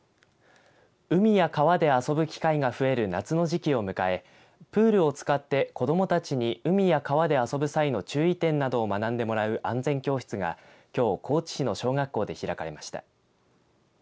海や川で遊ぶ機会が増える夏の時期を迎えプールを使って子どもたちに海や川で遊ぶ際の注意点などを学んでもらう安全教室がきょう高知市の小学校で開かれました。